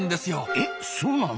えっそうなの？